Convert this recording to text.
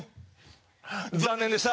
残念でした。